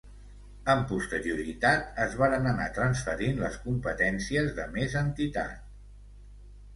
Amb posterioritat es varen anar transferint les competències de més entitat.